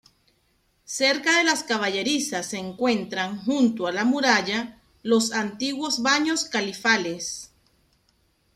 Cerca de las caballerizas se encuentran, junto a la muralla, los antiguos baños califales.